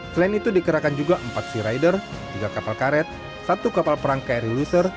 selain itu dikerahkan juga empat sea rider tiga kapal karet satu kapal perang kri loser